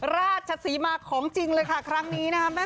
ราชศรีมาของจริงเลยค่ะครั้งนี้นะคะ